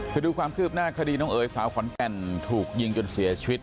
คือดูความคืบหน้าคดีน้องเอ๋ยสาวขอนแก่นถูกยิงจนเสียชีวิต